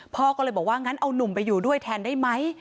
พ่อก็เลยบอกว่างั้นเอานุ่มไปอยู่ด้วยแทนได้ไหม